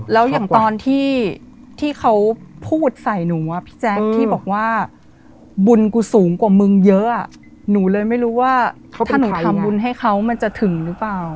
แล้วอย่างตอนที่เขาพูดใส่หนูพี่แจ๊คที่บอกว่าบุญกูสูงกว่ามึงเยอะหนูเลยไม่รู้ว่าถ้าหนูทำบุญให้เขามันจะถึงหรือเปล่า